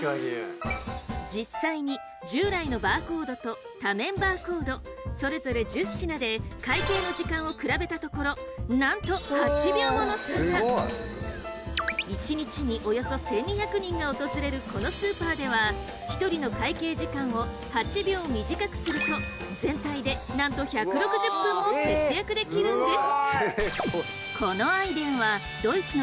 実際に従来のバーコードと多面バーコードそれぞれ１０品で会計の時間を比べたところなんと１日におよそ１，２００人が訪れるこのスーパーでは１人の会計時間を８秒短くすると全体でなんと１６０分も節約できるんです。